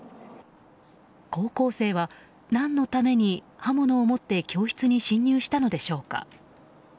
高校生は何のために刃物を持って教室に侵入したのでしょうか。